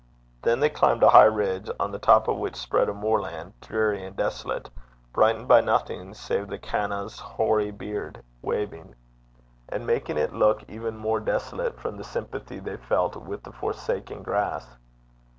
Then they clomb a high ridge, on the top of which spread a moorland, dreary and desolate, brightened by nothing save 'the canna's hoary beard' waving in the wind, and making it look even more desolate from the sympathy they felt with the forsaken grass.